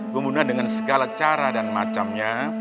kemudian dengan segala cara dan macamnya